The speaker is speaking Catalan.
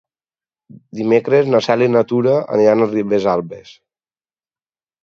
Dimecres na Cel i na Tura aniran a Ribesalbes.